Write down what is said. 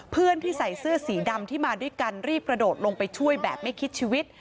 เพื่อนที่ใส่เสื้อสีดำที่มาด้วยกันรีบกระโดดลงไปช่วยแบบไม่คิดชีวิต